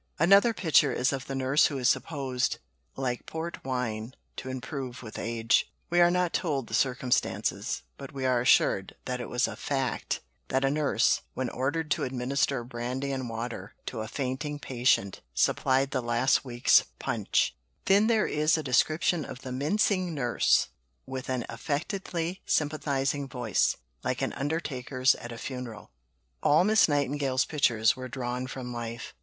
Another picture is of the nurse who is supposed, "like port wine," to improve with age. We are not told the circumstances, but we are assured that it was a "fact" that a nurse, when ordered to administer brandy and water to a fainting patient, supplied the last week's Punch. Then there is a description of the mincing nurse, with "an affectedly sympathizing voice, like an undertaker's at a funeral." All Miss Nightingale's pictures were drawn from life.